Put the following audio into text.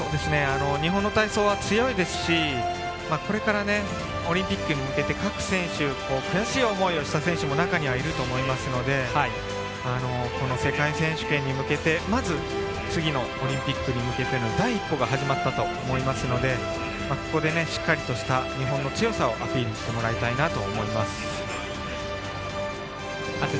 日本の体操は強いですしこれからオリンピックに向けて各選手、悔しい思いをした選手も中に入ると思いますのでこの世界選手権に向けてまず、次のオリンピックに向けて第一歩が始まったと思いますのでここでしっかりとした日本の強さをアピールしてもらいたいなと思います。